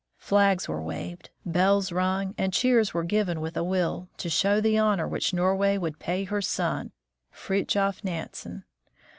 Flags were waved, bells rung, and cheers were given with a will, to show the honor which Norway would pay her son, Fridtjof Nansen.